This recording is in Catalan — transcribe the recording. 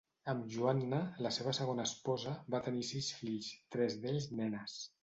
Amb Joanna, la seva segona esposa, va tenir sis fills, tres d"ells nenes.